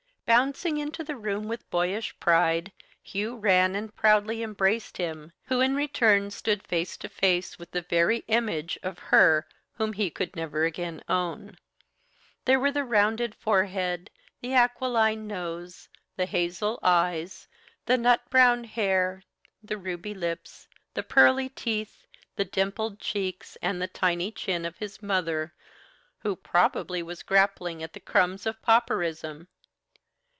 Bouncing into the room with boyish pride, Hugh ran and proudly embraced him, who, in return, stood face to face with the very image of her whom he could never again own. There were the rounded forehead, the aquiline nose, the hazel eyes, the nut brown hair, the ruby lips, the pearly teeth, the dimpled cheeks and tiny chin of his mother, who probably was grappling at the crumbs of pauperism!